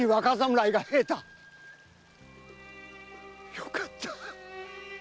よかった！